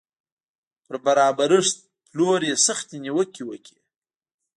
پر برابرښت پلور یې سختې نیوکې وکړې